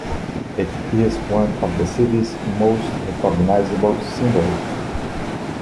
It is one of the city's most recognisable symbols.